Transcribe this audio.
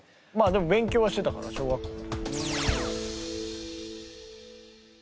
でも勉強はしてたかな小学校。